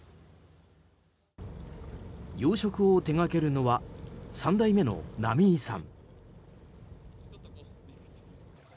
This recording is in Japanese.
養殖を手掛けるのは３代目の浪井さん。